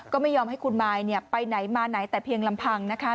ก็ไม่ยอมให้คุณมายไปไหนมาไหนแต่เพียงลำพังนะคะ